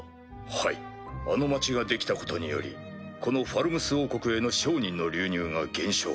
はいあの町が出来たことによりこのファルムス王国への商人の流入が減少。